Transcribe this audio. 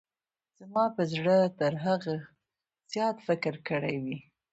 زما په اړه تر هغه څه زیات فکر کړی وي.